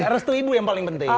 restu ibu yang paling penting